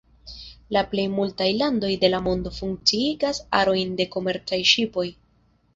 La plej multaj landoj de la mondo funkciigas arojn de komercaj ŝipoj.